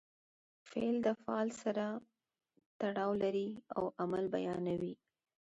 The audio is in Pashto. فعل د فاعل سره تړاو لري او عمل بیانوي.